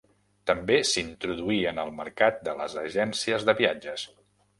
També s'introduí en el mercat de les agències de viatges.